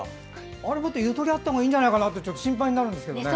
あれ、もっとゆとりあったほうがいいんじゃないかと心配になるんですが。